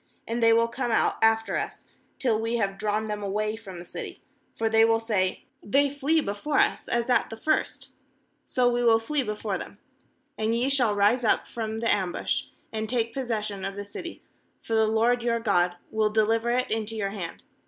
6And they will come out after us, till we have drawn them away from the city; for they will say: They flee before us, as at the first; so we will flee before them. 7And ye shall rise up from the ambush, and take possession of the city; for the LORD your God will de liver it into your hand.